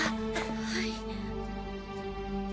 はい。